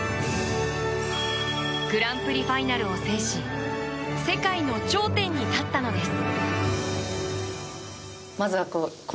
グランプリファイナルを制し世界の頂点に立ったのです。